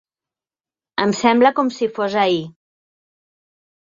Em sembla com si fos ahir.